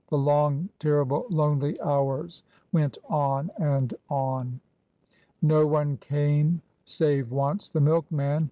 The long, terrible, lonely hours went on and on. No one came, save once the milk man.